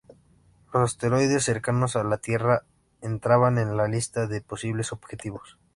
Los asteroides cercanos a la Tierra entraban en la lista de posibles objetivos.